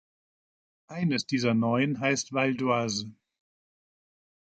Eines dieser neuen heißt Val-d’Oise.